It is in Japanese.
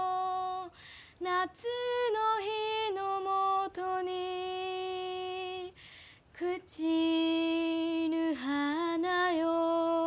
「夏の日のもとに朽ちぬ花よ」